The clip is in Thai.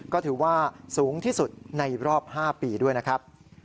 ก็ถือว่าสูงที่สุดในรอบ๕ปีด้วยนะครับ